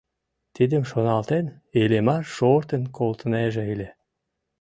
Тидым шоналтен, Иллимар шортын колтынеже ыле.